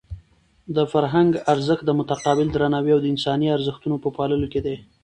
د فرهنګ ارزښت د متقابل درناوي او د انساني ارزښتونو په پاللو کې دی.